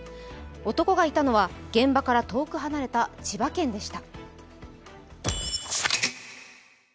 男がいたのは現場から遠く離れた千葉県でした。